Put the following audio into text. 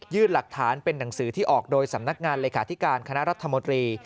หลักฐานเป็นหนังสือที่ออกโดยสำนักงานเลขาธิการคณะรัฐมนตรี